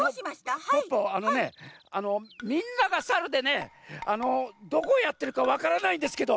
ポッポあのねあのみんながサルでねあのどこをやってるかわからないんですけど。